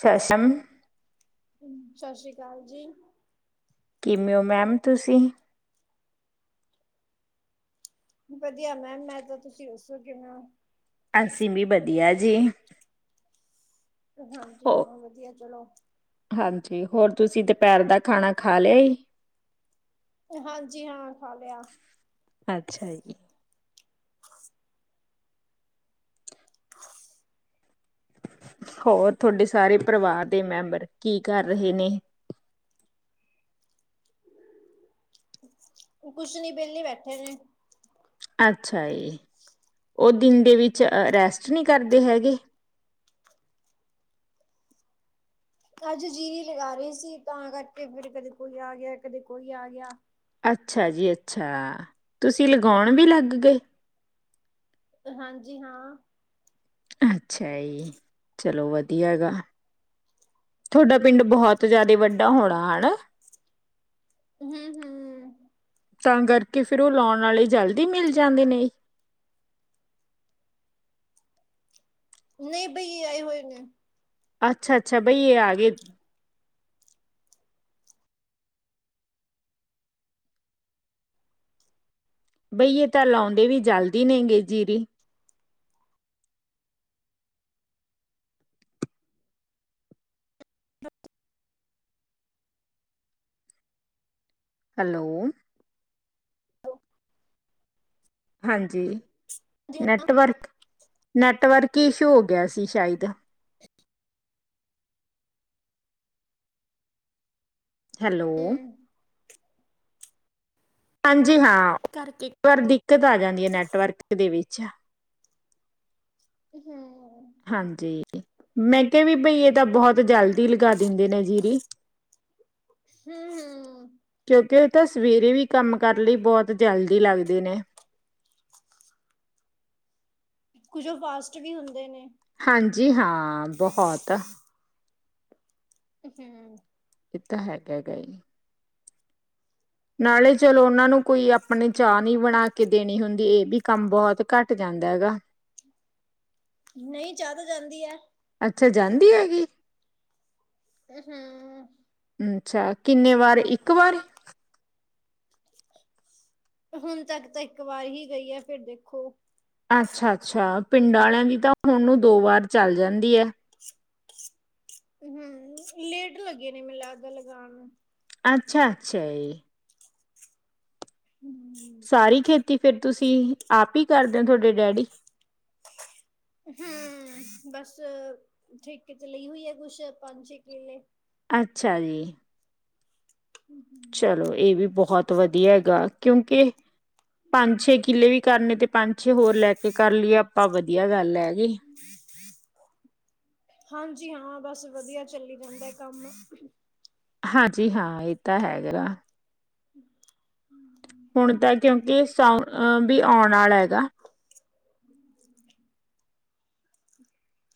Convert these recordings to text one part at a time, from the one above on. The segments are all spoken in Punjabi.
ਸੇ਼ਸ਼ਮ ਸਤਿ ਸ੍ਰੀ ਅਕਾਲ ਜੀ। ਕਿਮੇਂ ਔ ਮੈਮ ਤੁਸੀਂ? ਵਧੀਆ ਮੈਮ ਮੈਂ ਤਾਂ, ਤੁਸੀਂ ਦੱਸੋ ਕਿਵੇਂ ਔ? ਅਸੀ ਵੀ ਵਧੀਆ ਜੀ। ਹੋ ਹਾਂਜੀ ਹਾਂ ਵਧੀਆ ਚਲੋ ਹਾਂਜੀ ਹੋਰ ਤੁਸੀਂ ਦੁਪਹਿਰ ਦਾ ਖਾਣਾ ਖਾ ਲਿਆ? ਹਾਂਜੀ ਹਾਂ ਖਾ ਲਿਆ। ਅੱਛਾ ਜੀ। ਹੋਰ ਤੁਹਾਡੇ ਸਾਰੇ ਪਰਿਵਾਰ ਦੇ ਮੈਂਬਰ ਕੀ ਕਰ ਰਹੇ ਨੇ? ਕੁਛ ਨੀ ਵਿਹਲੀ ਬੈਠੇ ਨੇ। ਅੱਛਾ ਜ ਉਹ ਦਿਨ ਦੇ ਵਿੱਚ ਰੈਸਟ ਨਹੀਂ ਕਰਦੇ ਹੈਗੇ? ਅੱਜ ਜੀਰੀ ਲਗਾ ਰਹੀ ਸੀ ਤਾਂ ਕਰਕੇ ਫਿਰ ਕਦੇ ਕੋਈ ਆ ਗਿਆ ਕਦੇ ਕੋਈ ਆ ਗਿਆ। ਅੱਛਾ ਜੀ ਅੱਛਾ। ਤੁਸੀਂ ਲਗਾਉਣ ਵੀ ਲੱਗ ਗਏ। ਹਾਂਜੀ ਹਾਂ। ਅੱਛਾ ਜੀ, ਚਲੋ ਵਧੀਆ ਗਾ ਤੁਹਾਡਾ ਪਿੰਡ ਬਹੁਤ ਜਿਆਦਾ ਵੱਡਾ ਹੋਣਾ ਹਨਾ। ਹਮ-ਹਮ- ਹਮ। ਤਾਂ ਕਰਕੇ ਫਿਰ ਉਹ ਲਾਉਣ ਵਾਲੇ ਜਲਦੀ ਮਿਲ ਜਾਂਦੇ ਨੇ। ਨਹੀਂ ਬਈ ਆਏ ਹੋਏ ਨੇ ਅੱਛਾ-ਅੱਛਾ ਬਈ ਇਹ ਆ ਗਏ ਬਈਏ ਤਾਂ ਲਾਉਂਦੇ ਵੀ ਜਲਦੀ ਨੇ ਗੇ ਜੀਰੀ ਹੈਲੋ, ਹਾਂਜੀ ਨੈਟਵਰਕ- ਨੈਟਵਰਕ ਹੀ ਇਸ਼ੂ ਹੋ ਗਿਆ ਸੀ ਸ਼ਾਇਦ। ਹੈਲੋ, ਹੂੰ ਹਾਂਜੀ ਹਾਂ ਕਰਕੇ ਇੱਕ ਵਾਰ ਦਿੱਕਤ ਆ ਜਾਂਦੀ ਹੈ ਨੈਟਵਰਕ ਦੇ ਵਿੱਚ। ਹਮ। ਹਾਂਜੀ, ਮੈਂ ਕਿਹਾ ਵੀ ਬਈ, ਇਹ ਤਾਂ ਬਹੁਤ ਜਲਦੀ ਹੀ ਲਗਾ ਦਿੰਦੇ ਨੇ ਜੀਰੀ। ਹਮ, ਹਮ। ਕਿਉਂਕਿ ਇਹ ਤਾਂ ਸਵੇਰੇ ਵੀ, ਕੰਮ ਕਰਨ ਲਈ ਬਹੁਤ ਜਲਦੀ ਲੱਗਦੇ ਨੇ। ਕੁਝੋ ਫਾਸਟ ਵੀ ਹੁੰਦੇ ਨੇ। ਹਾਂਜੀ ਹਾਂ, ਬਹੁਤ। ਹਮ। ਇਹ ਤਾਂ ਹੈਗਾ, ਹੈਗਾ ਹੀ। ਨਾਲੇ ਚਲੋ ਉਹਨਾਂ ਨੂੰ ਕੋਈ ਆਪਣੇ, ਚਾਹ ਨਹੀਂ ਬਣਾ ਕੇ ਦੇਣੀ ਹੁੰਦੀ, ਇਹ ਵੀ ਕੰਮ ਬਹੁਤ ਘੱਟ ਜਾਂਦਾ ਹੈਗਾ। ਨਹੀਂ, ਚਾਅ ਤੇ ਜਾਂਦੀ ਹੈ। ਅੱਛਾ, ਜਾਂਦੀ ਹੈਗੀ? ਤੇ, ਹਾਂ। ਅ ਅੱਛਾ ਕਿੰਨੇ ਵਾਰ, ਇੱਕ ਵਾਰ? ਹੁਣ ਤੱਕ ਤਾਂ, ਇੱਕ ਵਾਰ ਹੀ ਗਈ ਹੈ ਫਿਰ ਦੇਖੋ। ਅੱਛਾ ਅੱਛਾ, ਪਿੰਡਾਂ ਵਾਲਿਆਂ ਦੀ ਤਾਂ ਹੁਣ ਨੂੰ ਦੋ ਵਾਰ ਚੱਲ ਜਾਂਦੀ ਹੈ। ਹਮ, ਲੇਟ ਲੱਗੇ ਨੇ, ਮੈਨ ਲਗਦਾ ਲਗਾਉਣ ਨੂੰ। ਅੱਛਾ ਅੱਛਾ, ਜੀ। ਹਮ। ਸਾਰੀ ਖੇਤੀ ਫੇਰ ਤੁਸੀਂ, ਆਪ ਹੀ ਕਰਦੇ ਹੋ ਤੁਹਾਡੇ ਡੈਡੀ? ਹਮ, ਬਸ, ਠੇਕੇ ਤੇ ਲਈ ਹੋਈ ਆ ਕੁਛ ਪੰਜ ਛੇ ਕਿਲੇ ਅੱਛਾ ਜੀ। ਹਮ, ਹਮ। ਚਲੋ ਇਹ ਵੀ ਬਹੁਤ ਵਧੀਆ ਹੈਗਾ, ਕਿਉਂਕਿ ਪੰਜ ਛੇ ਕਿੱਲੇ ਵੀ ਕਰਨੇ, ਤੇ ਪੰਜ ਛੇ ਹੋਰ ਲੈ ਕੇ ਕਰ ਲਈਏ ਆਪਾਂ, ਵਧੀਆ ਗੱਲ ਹੈਗੀ। ਹਾਂਜੀ ਹਾਂ ਬਸ, ਵਧੀਆ ਚੱਲੀ ਜਾਂਦਾ ਕੰਮ। ਹਾਂਜੀ ਹਾਂ, ਇਹ ਤਾਂ ਹੈਗਾ ਨਾ। ਹੁਣ ਤਾਂ, ਕਿਉਂਕਿ ਸਾਊਣ ਵੀ ਆਉਣ ਵਾਲਾ ਹੈਗਾ।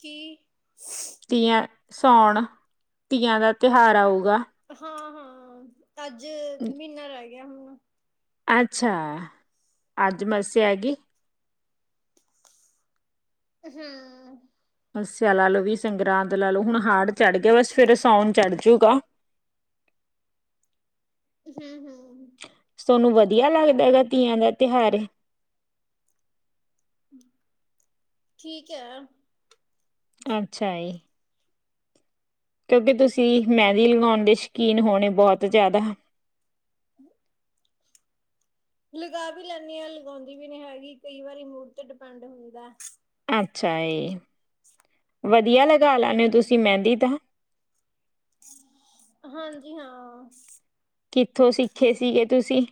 ਕੀ? ਤੀਆਂ, ਸਾਉਣ, ਤੀਆਂ ਦਾ ਤਿਉਹਾਰ ਆਊਗਾ। ਹਾਂ ਹਾਂ, ਅੱਜ ਮਹੀਨਾ ਰਹਿ ਗਿਆ ਹੁਣ ਅੱਛਾ, ਅੱਜ ਮੱਸ ਆਗੀਈ। ਹਾਂ। ਮੱਸਿਆ ਲਾ ਲਓ, ਵੀ ਸੰਗਰਾਂਦ ਲਾ ਲਓ, ਹੁਣ ਹਾੜ ਚੜ੍ਹ ਗਿਆ, ਬਸ ਫੇਿਰ ਸਾਉਣ ਚੜ ਜੂਗਾ। ਹਾਂ, ਹਾਂ। ਤੁਾਨੂੰ ਵਧੀਆ ਲੱਗਦਾ ਹੈਗਾ, ਤੀਆਂ ਦਾ ਤਿਉਹਾਰ? ਠੀਕ ਹੈ। ਅੱਛਾ ਜੀ। ਕਿਉਂਕਿ ਤੁਸੀਂ, ਮਹਿੰਦੀ ਲਗਾਉਣ ਦੇ ਸ਼ੌਕੀਨ ਹੋਣੇ ਬਹੁਤ ਜ਼ਿਆਦਾ? ਹਮ। ਲਗਾ ਵੀ ਲੈਂਦੀ ਹਾਂ, ਲਗਾਉਂਦੀ ਵੀ ਨਹੀਂ ਹੈਗੀ, ਕਈ ਵਾਰੀ ਮੂੜ ਤੇ ਡਿਪੈਂਡ ਹੁੰਦਾ। ਅੱਛਾ ਏ। ਅ ਵਧੀਆ ਲਗਾ ਲੈਂਦੇ ਹੋ, ਤੁਸੀਂ ਮਹਿੰਦੀ ਤਾਂ ਹਾਂਜੀ, ਹਾਂ। ਕਿੱਥੋਂ ਸਿੱਖੇ ਸੀਗੇ ਤੁਸੀਂ?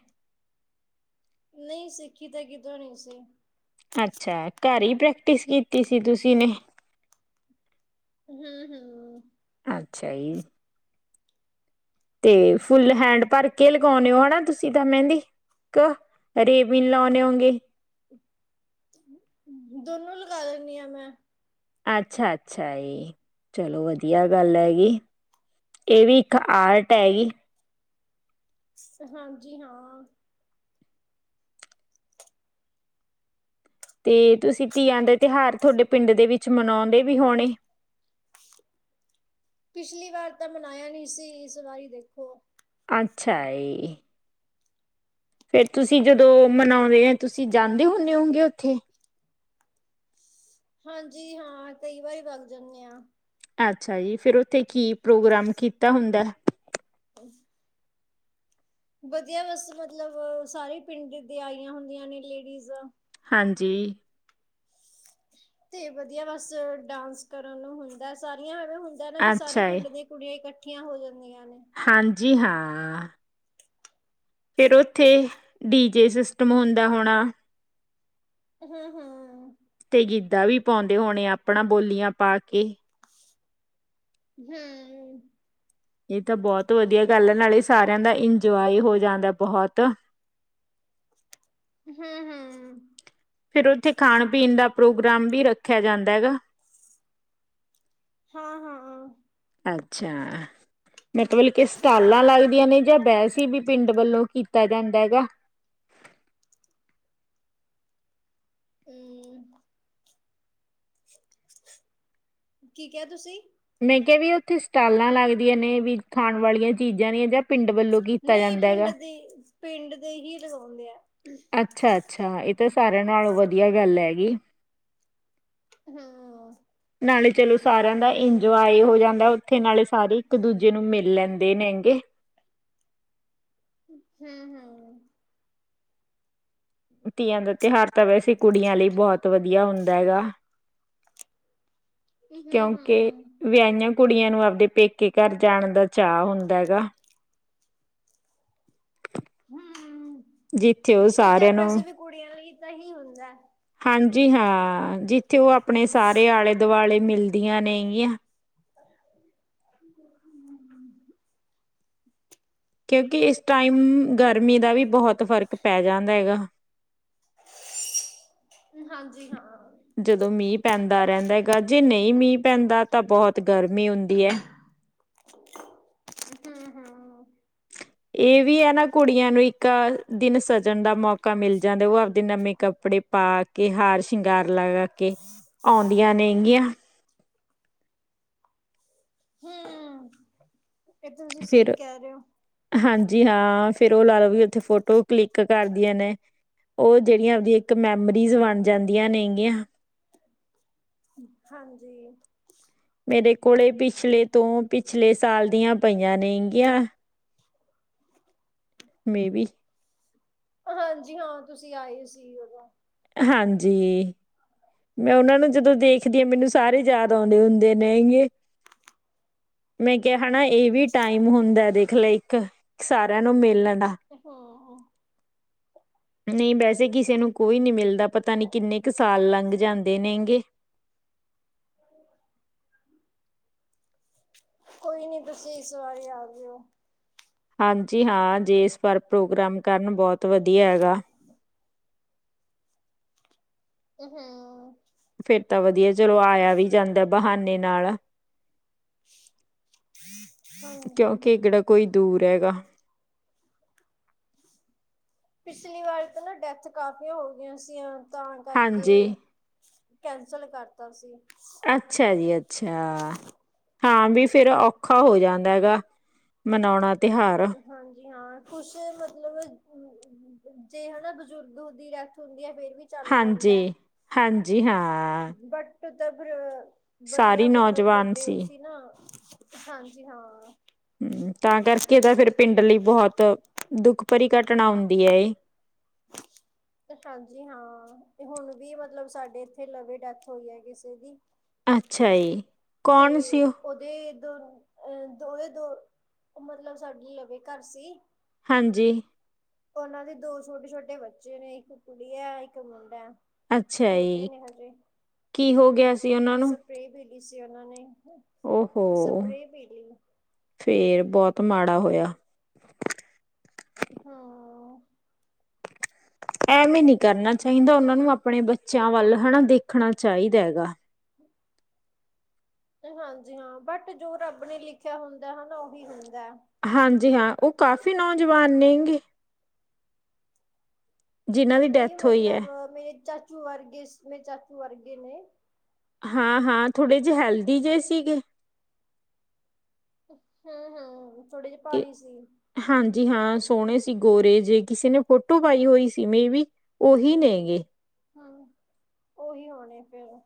ਨਹੀਂ, ਸਿੱਖੀ ਤਾਂ ਕਿੱਦਰੋਂ ਨੀ ਸੀ। ਅੱਛਾ ਘੱਰ ਈ ਪ੍ਰੈਕਟਿਸ ਕੀਤੀ ਸੀ ਤੁਸੀਂ ਨੇ ਹੂੰ-ਹੂੰ। ਅੱਛਾ ਈ। ਤੇ ਫੁੱਲ ਹੈਂਡ ਪਰ ਕੇ ਲਗਾਉਂਣੇ ਓ ਨਾ ਤੁਸੀਂ ਤਾਂ ਮਹਿੰਦੀ। ਕ ਅਰੇਬਿਨ ਲਾਓਣੇ ਹੋਂਗੇ। ਦੋਨੋ ਲਗਾ ਲੈਂਣੀ ਆ ਮੈਂ। ਅੱਛਾ-ਅੱਛਾ ਈ ਚਲੋ ਵਧੀਆ ਗੱਲ ਹੈਗੀ। ਏ ਵੀ ਇੱਕ ਆਰਟ ਹੈਗੀ। ਹਾਂਜੀ ਹਾਂ। ਤੇ ਤੁਸੀਂ ਤੀਆਂ ਦੇ ਤੇਹਾਰ ਤੋਹਡੇ ਪਿੰਡ ਦੇ ਵਿੱਚ ਮਨਾਓਂਦੇ ਵੀ ਹੋਣੇ। ਪਿਛਲੀ ਵਾਰ ਤਾਂ ਮਨਾਇਆ ਨੀ ਸੀ, ਇਸ ਵਾਰੀ ਦੇਖੋ ਅੱਛਾ ਏ। ਫੇਰ ਤੁਸੀਂ ਜਦੋਂ ਮਨਾਉਂਦੇ ਐ, ਤੁਸੀਂ ਜਾਂਦੇ ਹੁੰਦੇ ਹੁਣੇ ਹੋਗੇ ਓਂੱਥੇ। ਹਾਂਜੀ ਹਾਂ ਕਈ ਵਾਰੀ ਵੱਗ ਜਾਂਣੇ ਆਂ। ਅੱਛਾ ਜੀ, ਫਿਰ ਉੱਥੇ ਕੀ ਪ੍ਰੋਗਰਾਮ ਕੀਤਾ ਹੁੰਦਾ? ਅਸ ਵਧੀਆ ਬਸ ਮਤਲਬ ਸਾਰੇ ਪਿੰਡ ਦੀ ਆਈਆਂ ਹੁੰਦੀਆਂ ਨੇ ਲੇਡੀਸ। ਹਾਂਜੀ। ਤੇ ਵਧੀਆ ਬਸ ਡਾਂਸ ਕਰਨ ਨੂੰ ਹੁੰਦਾ। ਸਾਰੀਆਂ ਐਵੇਂ ਹੁੰਦਾ ਨਾ ਵੀ ਸਾਰੇ ਅੱਛਾ ਏ। ਪਿੰਡ ਦੇ ਕੁੜੀਆਂ ਇਕੱਠੀਆਂ ਹੋ ਜਂਦੀਆਂ ਨੇ। ਹਾਂਜੀ ਹਾਂ ਫੇਰ ਓੱਥੇ ਡੀਜੇ ਸਿਸਟਮ ਹੁੰਦਾ ਹੋਣਾ। ਹੂੰ-ਹੂੰ। ਤੇ ਗਿੱਧਾ ਵੀ ਪਾਓਂਦੇ ਹੋਣੇ, ਆਪਣਾ ਬੋਲੀਆਂ ਪਾ ਕੇ ਹੂੰ। ਏ ਤਾਂ ਬੋਤ ਵਧੀਆ ਗੱਲ ਏ ਨਾਲੇ ਸਾਰੇਆਂ ਦਾ ਇੰਜੋਏ ਹੋ ਜਾਂਦਾ ਬੋਹਤ। ਹੂੰ-ਹੂੰ। ਫੇਰ ਓੱਥੇ ਖਾਣ-ਪੀਣ ਦਾ ਪ੍ਰੋਗਰਾਮ ਵੀ ਰੱਖਿਆ ਜਾਂਦਾ ਹੈਗਾ। ਹਾਂ-ਹਾਂ। ਅੱਛਾ ਮਤਬਲ ਕੇ ਸਟਾਲਾਂ ਲੱਗਦੀਆਂ ਨੇ ਜਾਂ ਐ ਸੀ ਬੀ ਪਿੰਡ ਵੱਲੋਂ ਕੀਤਾ ਜਾਂਦਾ ਹੈਗਾ। ਉਮ ਕੀ ਕੇਆ ਤੁਸੀਂ? ਮੈਂ ਕੇਆ ਵੀ ਓੱਥੇ ਸਟਾਲਾਂ ਲੱਗਦੀਆਂ ਨੇ ਵੀ ਖਾਣ ਵਾਲੀਆਂ ਚੀਜ਼ਾਂ ਦੀਆਂ ਜਾਂ ਪਿੰਡ ਵੱਲੋਂ ਕੀਤਾ ਨਈ ਜਾਂਦਾ ਹੈਗਾ ਪਿੰਡ ਦੀ ਪਿੰਡ ਦੇ ਹੀ ਲੋਗਾਓਂਦੇ ਐ। ਅੱਛਾ-ਅੱਛਾ, ਏ ਤਾਂ ਸਾਰੇਆਂ ਨਾਲ ਵਧੀਆ ਗੱਲ ਹੈਗੀ। ਹੂੰ। ਨਾਲੇ ਚਲੋ ਸਾਰੇਆਂ ਦਾ ਇੰਜੋਏ ਹੋ ਜਾਂਦਾ ਓੱਥੇ, ਨਾਲੇ ਸਾਰੇ ਇੱਕ-ਦੂਜੇ ਨੂੰ ਮਿਲ ਲੈਂਦੇ ਨੇ ਗੇ। ਹੂੰ-ਹੂੰ। ਤੀਆਂ ਦਾ ਤੇਹਾਰ ਤਾਂ ਵੈਸੇ ਕੁੜੀਆਂ ਲਈ ਬੋਹਤ ਵਧੀਆ ਹੁੰਦਾ ਹੈਗਾ। ਕਿਉਂਕਿ ਹੂੰ ਵਿਆਇਆਂ ਕੁੜੀਆਂ ਨੂੰ ਆਪਦੇ ਪੇਕੇ ਘੱਰ ਜਾਣ ਦਾ ਚਾਵ ਹੁੰਦਾ ਹੈਗਾ। ਹੂੰ, ਜਿੱਥੇ ਉਹ ਏ ਸਾਰਿਆਂ ਤੇਹਾਰ ਵੈਸੇ ਨੂੰ ਵੀ ਕੁੜੀਆਂ ਲਈ ਤਾਂ ਹੀ ਹੁੰਦਾ। ਹਾਂਜੀ ਹਾਂ, ਜਿੱਥੇ ਓ ਆਪਣੇ ਸਾਰੇ ਆਲੇ-ਦੁਆਲੇ ਮਿਲਦੀਆਂ ਨੇਗੀਆਂ। ਹੂੰ-ਹੂੰ। ਕਿਉਂਕਿ ਇਸ ਟਾਈਮ ਗਰਮੀ ਦਾ ਵੀ ਬਹੁਤ ਫ਼ਰਕ ਪੈ ਜਾਂਦਾ ਗਾ। ਹਾਂਜੀ ਹਾਂ। ਜਦੋਂ ਮੀਂਹ ਪੈਂਦਾ ਰਹਿੰਦਾ ਗਾ, ਜੇ ਨਈ ਮੀਂਹ ਪੈਂਦਾ ਤਾਂ ਬਹੁਤ ਗਰਮੀ ਹੁੰਦੀ ਐ। ਹੂੰ ਹੂੰ ਏ ਵੀ ਐ ਨਾ ਕੁੜੀਆਂ ਨੂੰ ਇੱਕ ਦਿਨ ਸਜਣ ਦਾ ਮੌਕਾ ਮਿਲ ਜਾਂਦਾ, ਉਹ ਆਪਦੇ ਨਵੇਂ ਕੱਪੜੇ ਪਾ ਕੇ ਹਾਰ ਸ਼ਿੰਗਾਰ ਲਾਗਾ ਕੇ ਆਉਂਦੀਆਂ ਨੇ ਗੀਆਂ। ਹੂੰ, ਏ ਤੁਸੀਂ ਫਿਰ ਸਹੀ ਕਹਿ ਰੇ ਓ। ਹਾਂਜੀ ਹਾਂ, ਫਿਰ ਓ ਲਾ ਲਾ ਵੀ ਉੱਥੇ ਫੋਟੋ ਕਲਿੱਕ ਕਰਦੀਆਂ ਨੇ। ਓ ਜਿਹੜੀਆਂ ਉਹਦੀ ਇੱਕ ਮੈਮਰੀਜ਼ ਬਣ ਜਾਂਦੀਆਂ ਨੇ ਗੀਆਂ। ਹਾਂਜੀ। ਮੇਰੇ ਕੋਲ ਪਿਛਲੇ ਤੋਂ ਪਿਛਲੇ ਸਾਲ ਦੀਆਂ ਪਈਆਂ ਨੇ ਗੀਆਂ। Maybe. ਹਾਂਜੀ, ਹਾਂ ਤੁਸੀਂ ਆਏ ਸੀ ਉਦੋਂ। ਹਾਂਜੀ। ਮੈਂ ਉਹਨਾਂ ਨੂੰ ਜਦੋਂ ਦੇਖਦੀ ਆ ਮੈਨੂੰ ਸਾਰੇ ਯਾਦ ਆਉਂਦੇ ਹੁੰਦੇ ਨੇਗੇ। [inaudible] ਮੈਂ ਕਿਹਾ ਹੈਨਾ ਏ ਵੀ ਅੱਛਾ ਟਾਈਮ ਹੁੰਦਾ ਦੇਖ ਲੈ ਇੱਕ ਸਾਰਿਆਂ ਨੂੰ ਮਿਲਣ ਦਾ। ਹਾਂ। ਨਈ, ਵੈਸੇ ਕਿਸੇ ਨੂੰ ਕੋਈ ਨੀ ਮਿਲਦਾ ਪਤਾ ਨੀ ਕਿੰਨੇ ਕ ਸਾਲ ਲੰਘ ਜਾਂਦੇ ਨੇ ਗੇ। [inaudible] ਕੋਈ ਨੀ ਤੁਸੀਂ ਇਸ ਵਾਰੀ ਆ ਜਿਓ। ਹਾਂਜੀ ਹਾਂ, ਜੇ ਇਸ ਵਾਰ ਪ੍ਰੋਗਰਾਮ ਕਰਨ ਬਹੁਤ ਵਧੀਆ ਐ ਗਾ। ਹੂੰ। ਫੇਰ ਤਾਂ ਵਧੀਆ ਚਲੋ ਆਇਆ ਵੀ ਜਾਂਦਾ ਬਹਾਨੇ ਨਾਲ। ਹਾਂਜੀ। ਕੇੇਕੜਾ ਕੋਈ ਦੂਰ ਹੈਗਾ। ਪਿਛਲੀ ਵਾਰ ਤਾਂ ਨਾ ਡੈਥ ਕਾਫੀਆਂ ਹੋ ਗਈਆਂ ਸੀਆਂ। ਤਾਂ ਹਾਂਜੀ ਕਰਕੇ ਕੈਂਸਲ ਕਰਤਾ ਸੀ। ਅੱਛਾ ਜੀ ਅੱਛਾ, ਹਾਂ ਵੀ ਫਿਰ ਔਖਾ ਹੋ ਜਾਂਦਾ ਗਾ। ਮਨੋਣਾ ਤਿਉਹਾਰ। ਹਾਂਜੀ ਹਾਂ ਕੁਛ ਮਤਲਬ ਜੇ ਹਨਾ ਬਜ਼ੁਰਗ ਦੀ ਡੈੱਥ ਹੁੰਦੀ ਐ ਫੇਰ ਵੀ ਚੱਲ ਹਾਂਜੀ ਜਾਂਦਾ। ਹਾਂਜੀ ਹਾਂ। ਫਿਰ ਤਾਂ ਫਿਰ ਸਾਰੀ ਵਧੀਆ ਮਤਲਬ ਨੌਜਵਾਨ ਵੱਡੇ ਉਹ ਸੀ ਨਾ ਹਾਂਜੀ ਹਾਂ। ਹੂੰ, ਤਾਂ ਕਰਕੇ ਤਾਂ ਫਿਰ ਪਿੰਡ ਲਈ ਬਹੁਤ ਦੁੱਖ ਭਰੀ ਘਟਨਾ ਹੁੰਦੀ ਐ ਏ। ਹਾਂਜੀ ਹਾਂ, ਹੁਣ ਵੀ ਮਤਲਬ ਸਾਡੇ ਇੱਥੇ ਲਵੇ ਡੈਥ ਹੋਈ ਐ ਕਿਸੇ ਦੀ। ਅੱਛਾ ਜੀ ਕੌਣ ਸੀ ਓ? ਓਦੇ ਦੋ ਅਹ ਦੋ ਓਦੇ ਦੋ ਮਤਲਬ ਸਾਡੇ ਲਵੇ ਘਰ ਸੀ। ਹਾਂਜੀ। ਉਹਨਾਂ ਦੇ ਦੋ ਛੋਟੇ ਛੋਟੇ ਬੱਚੇ ਨੇ ਇੱਕ ਕੁੜੀ ਐ ਇੱਕ ਮੁੰਡਾ। ਅੱਛਾ ਛੋਟੇ ਜੀ ਨੇ ਹਜੇ। ਕੀ ਹੋ ਗਿਆ ਸੀ ਉਹਨਾਂ ਨੂੰ? ਸਪਰੇ ਪੀ ਲੀ ਸੀ ਉਹਨਾਂ ਨੇ। ਓ ਹੋ ਸਪਰੇਅ ਪੀ ਲਈ ਫੇਰ ਬਹੁਤ ਮਾੜਾ ਹੋਇਆ। ਹੂੰ। ਐਵੇਂ ਨੀ ਕਰਨਾ ਚਾਹੀਦਾ ਉਹਨਾਂ ਨੂੰ ਆਪਣੇ ਬੱਚਿਆਂ ਵੱਲ ਹਨਾਂ ਦੇਖਣਾ ਚਾਹੀਦਾ ਗਾ। ਹਾਂਜੀ ਹਾਂ ਬਟ ਜੋ ਰੱਬ ਨੇ ਲਿਖਿਆ ਹੁੰਦਾ ਹਨਾ ਉਹੀ ਹੁੰਦਾ। ਹਾਂਜੀ ਹਾਂ ਉਹ ਕਾਫੀ ਨੌਜਵਾਨ ਨੇਗੇ? ਜਿਨ੍ਹਾਂ ਦੀ ਨਹੀਂ ਡੈਥ ਹੋਈ ਹੈ। ਮਤਲਬ ਮੇਰੇ ਚਾਚੂ ਵਰਗੇ ਮੇਰੇ ਚਾਚੂ ਵਰਗੇ ਨੇ। ਹਾਂ-ਹਾਂ ਥੋੜ੍ਹੇ ਜੇ ਹੈਲਦੀ ਜੇ ਸੀਗੇ? ਹੂੰ-ਹੂੰ ਥੋੜੇ ਜੇ ਕਿ ਭਾਰੀ ਸੀ। ਹਾਂਜੀ ਹਾਂ ਸੋਹਣੇ ਸੀ ਗੋਰੇ ਜੇ ਕਿਸੇ ਨੇ ਫੋਟੋ ਪਾਈ ਹੋਈ ਸੀ ਮੇ ਵੀ। ਉਹੀ ਨੇ ਗੇ। ਹਾਂ, ਉਹੀ ਹੋਣੇ ਫੇਰ।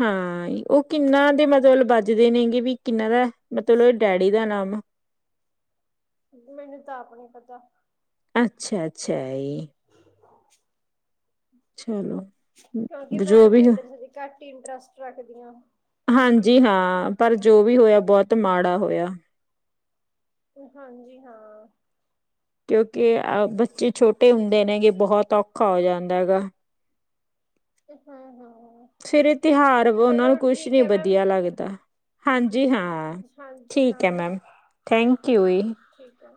ਹਾਂ ਉਹ ਕਿੰਨਾ ਦੇ ਮਤਲਬ ਵੱਜਦੇ ਨੇਗੇ ਵੀ ਕਿੰਨਾ ਦਾ, ਮਤਲਬ ਡੈਡੀ ਦਾ ਨਾਮ? ਮੈਨੂੰ ਤਾਂ ਆਪ ਨੀ ਪਤਾ। ਅੱਛਾ-ਅੱਛਾ ਜੀ। ਚਲੋ। ਕਿਉਂਕਿ ਮੈਂ ਪਿੰਡ 'ਚ ਵੀ ਘੱਟ ਇੰਟਰਸਟ ਰੱਖਦੀਆਂ। ਹਾਂਜੀ ਹਾਂ ਪਰ ਜੋ ਵੀ ਹੋਇਆ ਬਹੁਤ ਮਾੜਾ ਹੋਇਆ। ਹਾਂਜੀ ਹਾਂ। ਕਿਉਂਕਿ ਅ ਬੱਚੇ ਛੋਟੇ ਹੁੰਦੇ ਨੇ ਕਿ ਬਹੁਤ ਔਖਾ ਹੋ ਜਾਂਦਾ ਹੈਗਾ। ਹਾਂ-ਹਾਂ। ਫਿਰ ਇਹ ਤਿਉਹਾਰ ਉਹਨਾਂ ਨੂੰ ਕੁਛ ਨੀ ਮੈਮ। ਵਧੀਆ ਲੱਗਦਾ, ਹਾਂਜੀ ਹਾਂ। ਹਾਂਜੀ ਠੀਕ ਹੈ ਹਾਂ ਮੈਮ, ਥੈਂਕ ਯੂ ਜੀ, ਠੀਕ ਹੈ।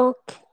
ਓਕੇ।